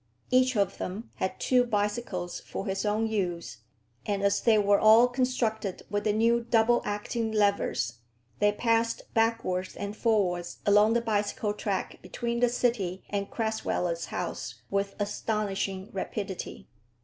Each of them had two bicycles for his own use, and as they were all constructed with the new double acting levers, they passed backwards and forwards along the bicycle track between the city and Crasweller's house with astonishing rapidity.